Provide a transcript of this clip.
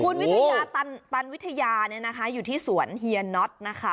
คุณวิทยาตันวิทยาเนี่ยนะคะอยู่ที่สวนเฮียน็อตนะคะ